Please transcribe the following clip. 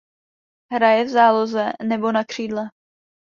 Hraje v záloze nebo na křídle.